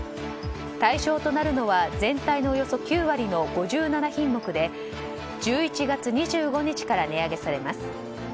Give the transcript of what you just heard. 対象となるのは全体のおよそ９割の５７品目で１１月２５日から値上げされます。